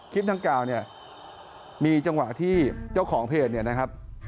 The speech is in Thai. คลิปต่างกล่าวมีจังหวะที่เจ้าของเพจ